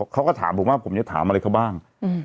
เขาก็ถามผมว่าผมจะถามอะไรเขาบ้าง